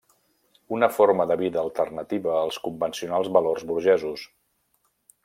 Una forma de vida alternativa als convencionals valors burgesos.